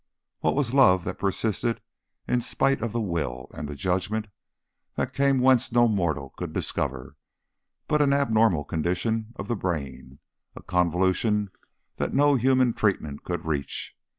What was love that persisted in spite of the Will and the judgment, that came whence no mortal could discover, but an abnormal condition of the brain, a convolution that no human treatment could reach?